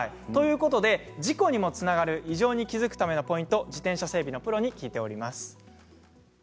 事故にもつながる異常に気付くためのポイントを自転車整備のプロに聞いております。